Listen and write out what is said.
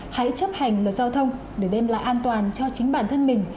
hãy chấp hành luật giao thông để đem lại an toàn cho chính bản thân mình